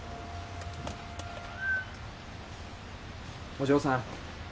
お嬢さん。